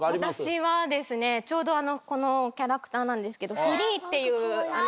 私はちょうどこのキャラクターなんですけど『Ｆｒｅｅ！』っていう。